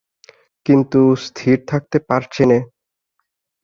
কিন্তু, স্থির থাকতে পারছি নে।